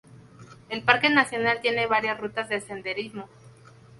El parque nacional tiene varias rutas de senderismo.